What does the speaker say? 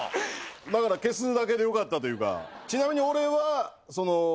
だから消すだけでよかったというか。